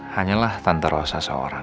hanyalah tante rosa seorang